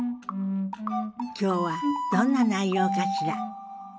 今日はどんな内容かしら。